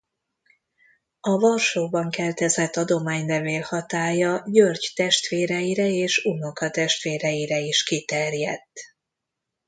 A Varsóban keltezett adománylevél hatálya György testvéreire és unokatestvéreire is kiterjedt.